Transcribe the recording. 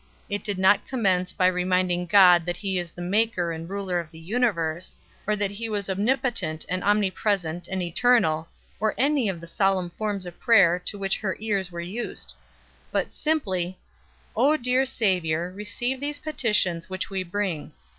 It did not commence by reminding God that he was the maker and ruler of the universe, or that he was omnipotent and omnipresent and eternal, or any of the solemn forms of prayer to which her ears were used, but simply: "Oh, dear Savior, receive these petitions which we bring.